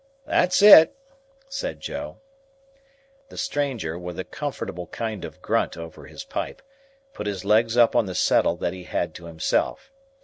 "That's it," said Joe. The stranger, with a comfortable kind of grunt over his pipe, put his legs up on the settle that he had to himself.